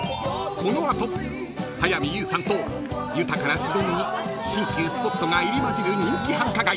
［この後早見優さんと豊かな自然に新旧スポットが入り交じる人気繁華街